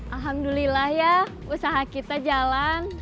alhamdulillah ya usaha kita jalan